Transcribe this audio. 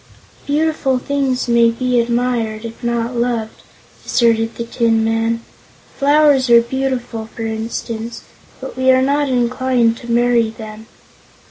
"Beautiful things may be admired, if not loved," asserted the Tin Man. "Flowers are beautiful, for instance, but we are not inclined to marry them.